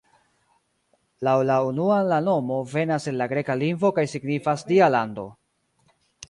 Laŭ la unua la nomo venas el la greka lingvo kaj signifas "Dia lando".